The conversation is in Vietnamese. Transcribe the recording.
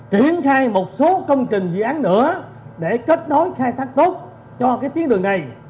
triển khai một số công trình dự án nữa để kết nối khai thác tốt cho cái tuyến đường này